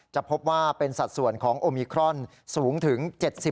จะพบว่าเป็นสัดส่วนของโอมิครอนสูงถึง๗๐